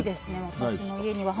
私の家には。